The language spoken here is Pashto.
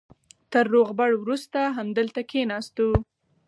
تر روغبړ وروسته همدلته کېناستو.